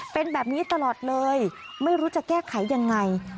เป็นแบบนี้ตลอดเลยไม่รู้จะแก้ไขยังไง